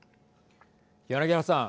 柳原さん。